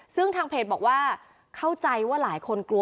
ซึ่งทางเพจบอกว่าเข้าใจว่าหลายคนกลัว